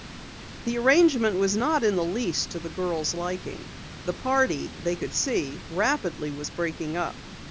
The arrangement was not in the least to the girls' liking. The party, they could see, rapidly was breaking up.